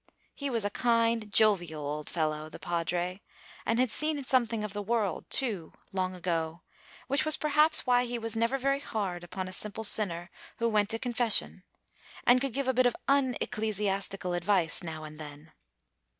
He was a kind, jovial old fellow, the padre, and had seen something of the world, too, long ago, which was perhaps why he was never very hard upon a simple sinner who went to confession, and could give a bit of unecclesiastical advice now and then.